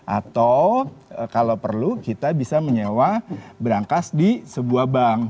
atau kalau perlu kita bisa menyewa berangkas di sebuah bank